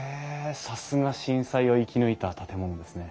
さすが震災を生き抜いた建物ですね。